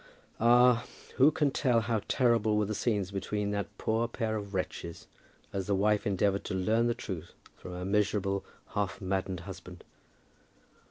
Ah, who can tell how terrible were the scenes between that poor pair of wretches, as the wife endeavoured to learn the truth from her miserable, half maddened husband!